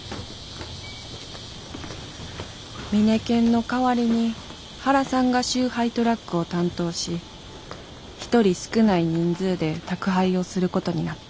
ミネケンの代わりに原さんが集配トラックを担当し１人少ない人数で宅配をすることになった。